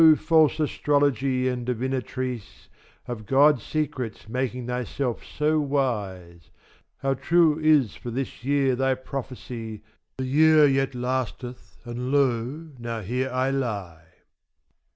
false astrology and devinatrice,6 Of God's secrets making thyself so wise; How true is for this year thy prophecy, The year yet lasteth, and lo now here I lie.